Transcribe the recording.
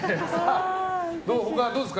他はどうですか？